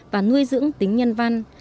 và nuôi dưỡng tính nhân văn